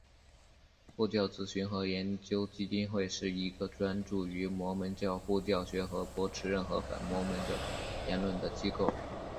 护教资讯和研究基金会是一个专注于摩门教护教学和驳斥任何反摩门教言论的机构。